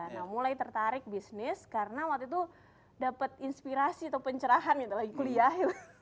nah mulai tertarik bisnis karena waktu itu dapat inspirasi atau pencerahan gitu lagi kuliah